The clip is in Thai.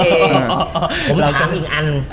ผมถามอีกอัน